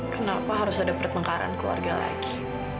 kenapa harus ada pertengkaran keluarga lagi